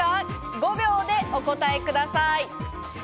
５秒でお答えください。